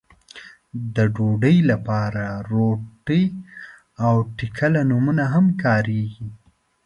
د ډوډۍ لپاره روټۍ او ټکله نومونه هم کاريږي.